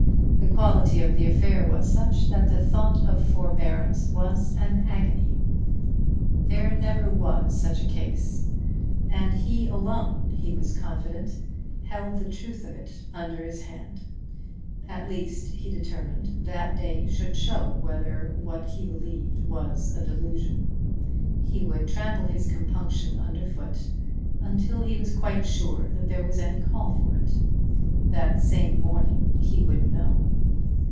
The quality of the affair was such that the thought of forbearance was an agony. There never was such a case; and he alone, he was confident, held the truth of it under his hand. At least, he determined, that day should show whether what he believed was a delusion. He would trample his compunction underfoot until he was quite sure that there was any call for it. That same morning he would know.